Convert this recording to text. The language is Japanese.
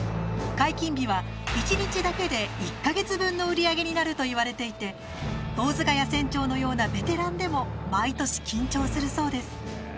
解禁日は１日だけで、１か月分の売上になるといわれていて遠塚谷船長のようなベテランでも毎年緊張するそうです。